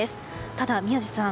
ただ、宮司さん